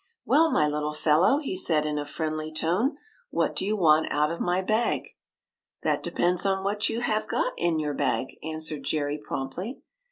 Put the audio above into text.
" Well, my little fellow," he said in a friendly tone, " what do you want out of my bag ?" "That depends on what you have got in your bag," answered Jerry, promptly.